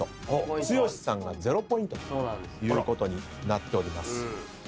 剛さんが０ポイントということになっております。